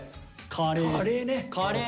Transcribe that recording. カレー。